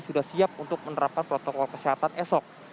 sudah siap untuk menerapkan protokol kesehatan esok